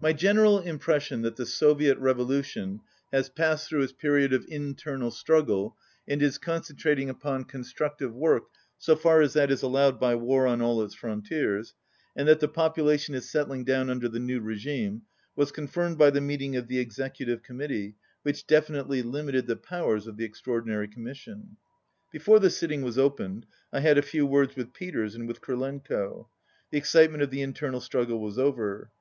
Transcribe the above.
My general impression that the Soviet revolution has passed through its period of internal struggle and is concentrating upon constructive work so far as that is allowed by war on all its frontiers, and that the population is settling down under the new regime, was confirmed by the meeting of the Executive Committee which definitely limited the powers of the Extraordinary Commission. Be fore the sitting was opened I had a few words with Peters and with Krylenko. The excitement of the internal struggle was over.